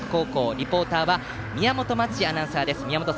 リポーターは宮本真智アナウンサーです。